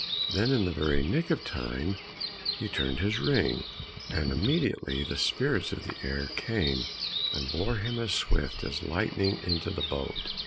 Then in the very nick of time he turned his ring, and immediately the spirits of the air came and bore him as swift as lightning into the boat.